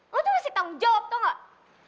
lo tuh masih tanggung jawab tau gak